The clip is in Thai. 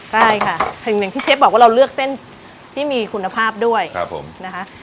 ใช่ค่ะอย่างที่เชฟบอกว่าเราเลือกเส้นที่มีคุณภาพด้วยนะคะ